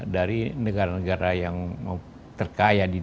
dari negara negara yang terkaya di dunia